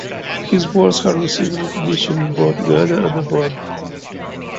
His works have received recognition in both Ghana and abroad.